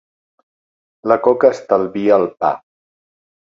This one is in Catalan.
La coca estalvia el pa.